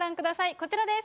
こちらです。